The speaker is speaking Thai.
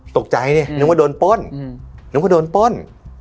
ตกใจเนี่ยนึกว่าโดนป้น